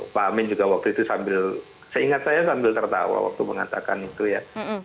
pak amin juga waktu itu sambil seingat saya sambil tertawa waktu mengatakan itu ya